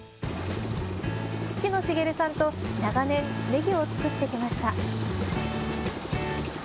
父の茂さんと長年、ねぎを作ってきました。